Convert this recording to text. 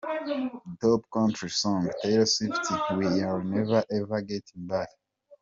Top Country Song: Taylor Swift "We Are Never Ever Getting Back.